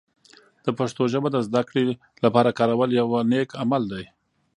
د پښتو ژبه د زده کړې لپاره کارول یوه نیک عمل دی.